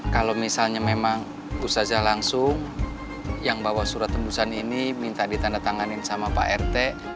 kalau misalnya memang busazah langsung yang bawa surat tembusan ini minta ditandatanganin sama pak rt